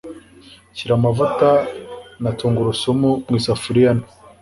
Shyira amavuta na tungurusumu mu isafuriya nto.